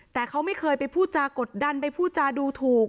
แต่เขาไม่เคยไปพูดจากกดดันไปพูดจาดูถูก